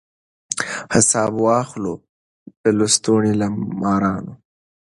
حساب واخلو د لستوڼي له مارانو